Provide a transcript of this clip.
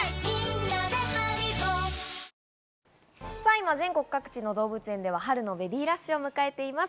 今、全国各地の動物園では春のベビーラッシュを迎えています。